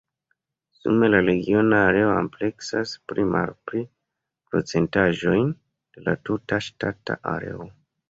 Sume la regiona areo ampleksas pli-malpli procentaĵojn de la tuta ŝtata areo.